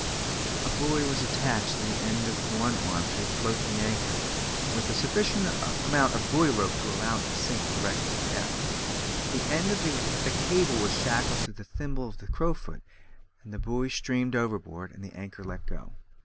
A buoy was then attached to the end of one arm to float the anchor, with a sufficient amount of buoy rope to allow it to sink to the requisite depth; the end of the cable was shackled into the thimble of the crowfoot, the buoy streamed overboard, and the anchor let go.